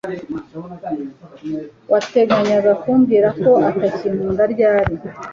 Wateganyaga kumbwira ko utakinkunda ryari?